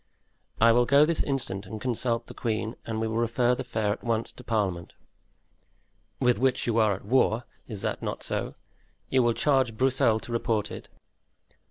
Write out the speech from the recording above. "I will go this instant and consult the queen, and we will refer the affair at once to parliament." "With which you are at war—is it not so? You will charge Broussel to report it.